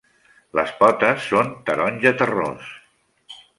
Les potes són taronja terrós.